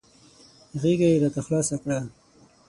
غېږه یې راته خلاصه کړه .